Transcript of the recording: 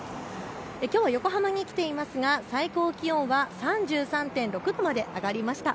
きょうは横浜に来ていますが最高気温は３３．６度まで上がりました。